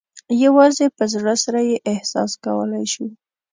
یوازې په زړه سره یې احساس کولای شو.